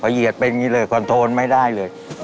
เหยียดเป็นอย่างนี้เลยคอนโทนไม่ได้เลย